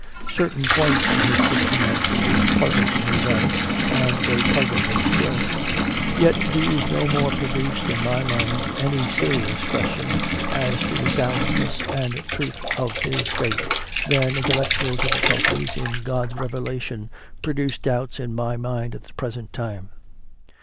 Certain points in his system of belief puzzled me then, and CONFESSIONS OF A CONVERT 7 they puzzle me still; yet these no more produced in my mind any serious question as to the soundness and truth of his faith than intellectual difficulties in God s Revelation produce doubts in my mind at the present time.